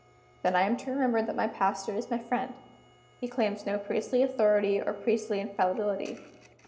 "Then I am to remember that my pastor is my friend. He claims no priestly authority or priestly infallibility.